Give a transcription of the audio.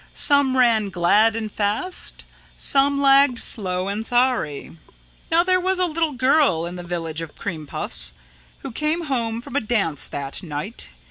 Some ran glad and fast, some lagged slow and sorry. "Now there was a little girl in the Village of Cream Puffs who came home from a dance that night.